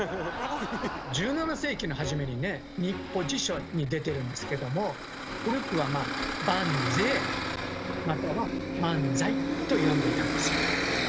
１７世紀の初めにね「日葡辞書」に出てるんですけども古くは「バンゼイ」または「マンザイ」と読んでいたんですよ。